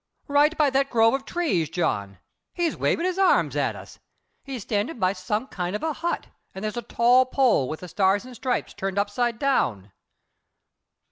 "Right by that grove of trees, John. He's waving his arms at us. He's standing by some kind of a hut and there's a tall pole with the stars and stripes turned upside down."